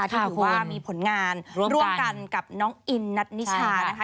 ที่ถือว่ามีผลงานร่วมกันกับน้องอินนัทนิชานะคะ